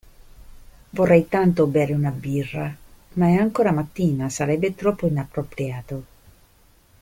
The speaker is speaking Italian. Vorrei tanto bere una birra, ma è ancora mattina, sarebbe troppo inappropriato.